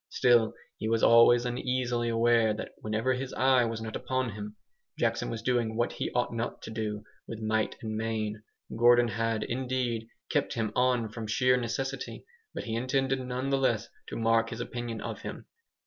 Still he was always uneasily aware that whenever his eye was not upon him, Jackson was doing what he ought not to do with might and main. Gordon had, indeed, kept him on from sheer necessity, but he intended none the less to mark his opinion of him.